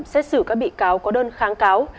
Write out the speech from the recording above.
xét xử các bị cáo có đơn kháng cáo